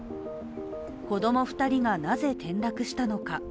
子供２人がなぜ転落したのか。